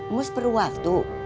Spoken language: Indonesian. mus perlu waktu